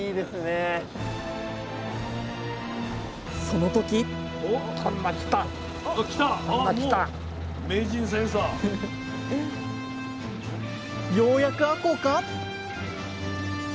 その時ようやくあこうか？